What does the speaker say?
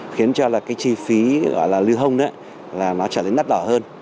khiến cho là cái chi phí gọi là lưu thông đó là nó trở nên nắp đỏ hơn